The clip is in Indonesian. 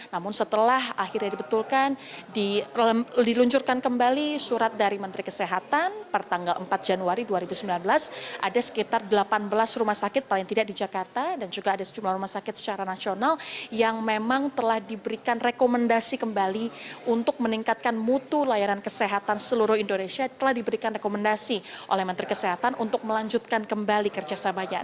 namun setelah akhirnya dibetulkan diluncurkan kembali surat dari menteri kesehatan per tanggal empat januari dua ribu sembilan belas ada sekitar delapan belas rumah sakit paling tidak di jakarta dan juga ada jumlah rumah sakit secara nasional yang memang telah diberikan rekomendasi kembali untuk meningkatkan mutu layanan kesehatan seluruh indonesia telah diberikan rekomendasi oleh menteri kesehatan untuk melanjutkan kembali kerja sebanyak